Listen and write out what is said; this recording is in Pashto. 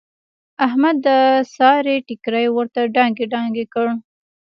احمد د سارې ټیکری ورته دانګې دانګې کړ.